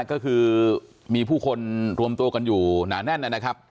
ก็คือมีผู้คนรวมตัวกันอยู่หนาแน่นนะครับ